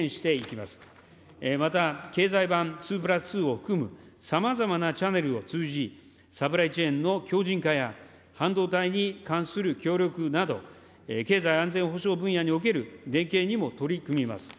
また、経済版２プラス２を含むさまざまなチャネルを通じ、サプライチェーンの強じん化や、半導体に関する協力など、経済安全保障分野における連携にも取り組みます。